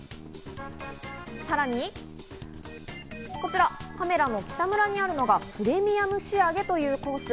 さらにこちら、カメラのキタムラにあるのがプレミアム仕上げというコース。